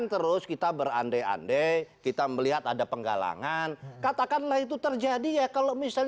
tidak ada ekor di kamera